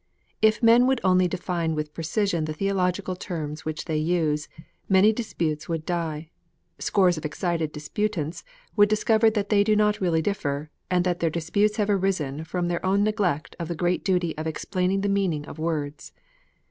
If men would only define with precision the theological terms which they use, many disputes would die. Scores of excited disputants would discover that they do not really differ, and that their disputes have arisen from their own neglect of the great duty of explaining the meaning of words.